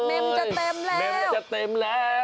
แบตจะหมดเม็มจะเต็มแล้ว